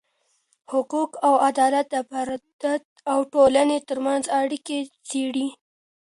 حقوق او عدالت د فرد او ټولني ترمنځ اړیکه څیړې.